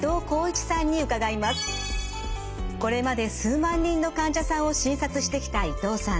これまで数万人の患者さんを診察してきた伊藤さん。